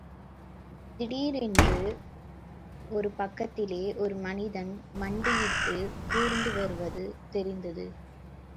திடீரென்று ஒரு பக்கத்திலே ஒரு மனிதன், மண்டியிட்டு ஊர்ந்து வருவது தெரிந்தது.